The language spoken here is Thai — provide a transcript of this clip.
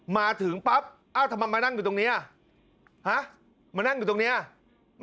มาถึงปั๊บทำไมมานั่งอยู่ตรงนี้ไม่เข้าไปไหม